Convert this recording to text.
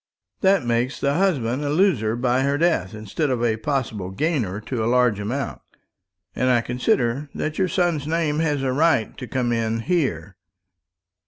That makes the husband a loser by her death, instead of a possible gainer to a large amount. And I consider that your son's name has a right to come in here."